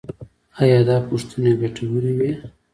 ایا دا پوښتنې ګټورې وې؟